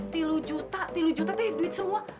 tidak juta tidak juta teh duit semua